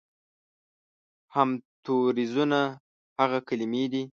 همتوریزونه هغه کلمې دي